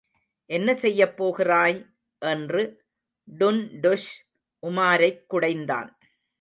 என்ன செய்யப் போகிறாய்? என்று டுன்டுஷ் உமாரைக் குடைந்தான்.